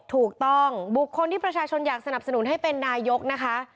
ถูกต้องบุคคลที่ประชาชนอยากสนับสนุนให้เป็นนายกนะคะ